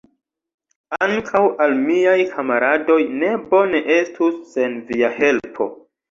Ankaŭ al miaj kamaradoj ne bone estus sen via helpo!